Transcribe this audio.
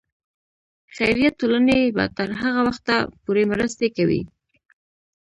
خیریه ټولنې به تر هغه وخته پورې مرستې کوي.